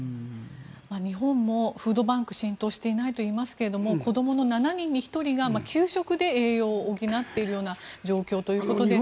日本もフードバンク浸透していないといいますが子どもの７人に１人が給食で栄養を補っているような状況ということで。